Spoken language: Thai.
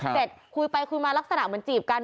เสร็จคุยไปคุยมาลักษณะเหมือนจีบกัน